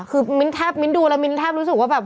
คือมิ้นดูแล้วมิ้นแทบรู้สึกว่าแบบ